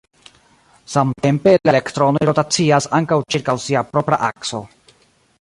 Samtempe, la elektronoj rotacias ankaŭ ĉirkaŭ sia propra akso.